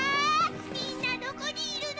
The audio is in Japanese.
みんなどこにいるの？